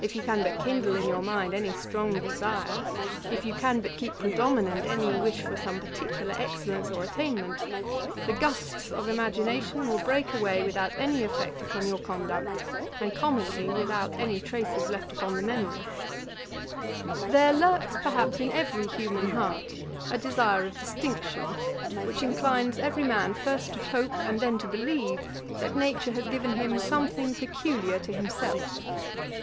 If you can but kindle in your mind any strong desire, if you can but keep predominant any wish for some particular excellence or attainment, the gusts of imagination will break away, without any effect upon your conduct, and commonly without any traces left upon the memory. [Page 475: The Frisick language. Ætat 54.] 'There lurks, perhaps, in every human heart a desire of distinction, which inclines every man first to hope, and then to believe, that Nature has given him something peculiar to himself.